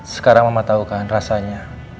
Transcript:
sekarang mama tau kan rasanya